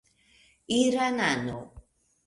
iranano